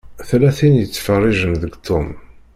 Tella tin i yettfeṛṛiǧen deg Tom.